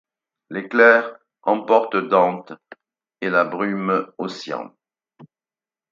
L'éclair emporte Dante et la brume Ossian ;